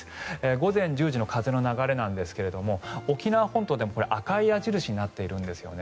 午前１０時の風の流れなんですが沖縄本島でも赤い矢印になっているんですよね。